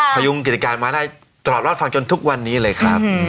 พยุงกิจการมาได้ตลอดรอดฟังจนทุกวันนี้เลยครับ